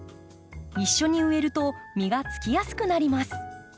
一緒に植えると実がつきやすくなります。